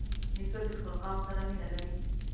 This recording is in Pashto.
نیکه د خپل قوم سره مینه لري.